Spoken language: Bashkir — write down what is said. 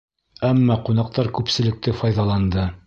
Әммә ҡунаҡтар күпселекте файҙаланды.